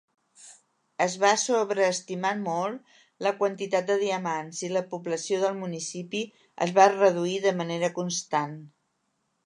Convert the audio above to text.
Es va sobreestimar molt la quantitat de diamants, i la població del municipi es va reduir de manera constant.